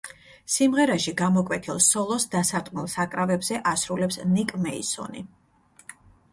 სიმღერაში გამოკვეთილ სოლოს დასარტყმელ საკრავებზე ასრულებს ნიკ მეისონი.